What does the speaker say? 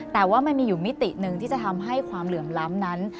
แต่ว่ามันมีอยู่มิติหนึ่งที่จะทำให้ความเหลื่อมล้ำนั้น